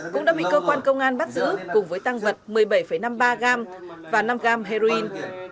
cũng đã bị cơ quan công an bắt giữ cùng với tăng vật một mươi bảy năm mươi ba gram và năm gram heroin